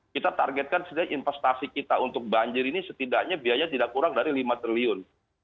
kita targetkan investasi kita untuk banjir ini setidaknya biaya tidak kurang dari lima triliun